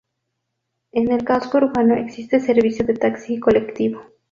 En el casco urbano existe servicio de taxi y colectivo.